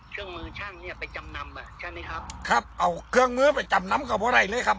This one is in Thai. เครื่องมือช่างเนี้ยไปจำนำอ่ะใช่ไหมครับครับเอาเครื่องมือไปจำนำเขาเพราะอะไรเลยครับ